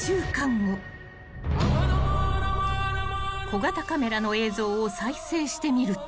［小型カメラの映像を再生してみると］